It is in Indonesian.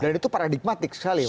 dan itu paradigmatik sekali mas